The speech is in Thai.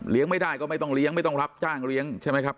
ไม่ได้ก็ไม่ต้องเลี้ยงไม่ต้องรับจ้างเลี้ยงใช่ไหมครับ